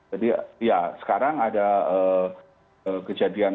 jadi ya sekarang ada kejadian